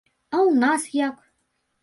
А ў нас як?